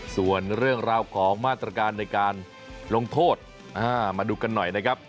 ส่วนเรื่องราวของมาตรการในการลงโทษมาดูกันหน่อยนะครับ